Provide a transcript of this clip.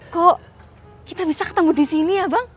kok kita bisa ketemu disini ya bang